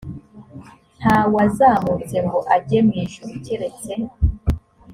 ntawazamutse ngo ajye mu ijuru keretse